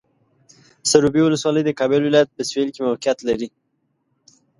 سروبي ولسوالۍ د کابل ولایت په سویل کې موقعیت لري.